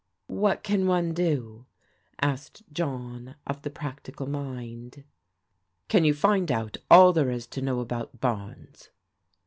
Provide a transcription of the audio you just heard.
"What can one do?" asked John of the practical mind. " Can you find out all there is to know about Barnes